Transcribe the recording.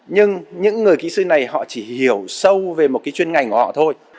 nhưng những người kỹ sư này họ chỉ hiểu sâu về một cái chuyên ngành của họ thôi